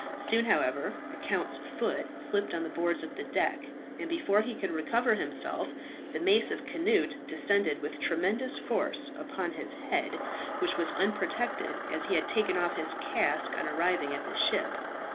Soon, however, the count's foot slipped on the boards of the deck, and before he could recover himself the mace of Cnut descended with tremendous force upon his head, which was unprotected, as he had taken off his casque on arriving at the ship.